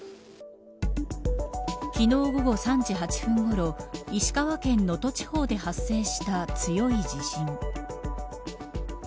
昨日、午後３時８分ごろ石川県能登地方で発生した強い地震。